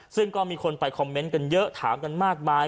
ซึ่งก็มีคนไปคอมเมนต์กันเยอะถามกันมากมาย